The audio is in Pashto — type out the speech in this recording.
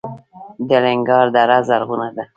د الینګار دره زرغونه ده